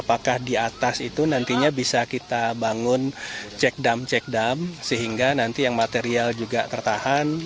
apakah di atas itu nantinya bisa kita bangun cek dam cek dam sehingga nanti yang material juga tertahan